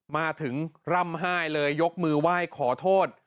มาถึงร่ำไห้เลยยกมือไหว้ขอโทษ